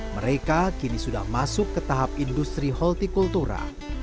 mereka kini sudah masuk ke tahap industri holti kultura